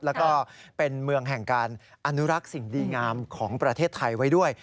แล้วก็เป็นเมืองแห่งการอนุรักษ์สิ่งดีงามของประเทศไทยไว้ด้วย